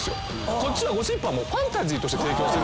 こっちはゴシップはもうファンタジーとして提供してる。